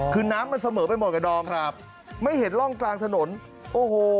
คือน้ำมันเสมอไปหมดอ่ะดอมครับไม่เห็นร่องกลางถนนโอ้โห